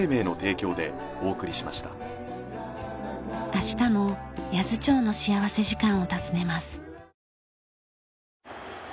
明日も八頭町の幸福時間を訪ねます。